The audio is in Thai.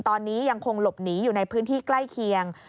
ตอนนี้ยังคงหลบหนีอยู่ในพื้นที่ใกล้เคียง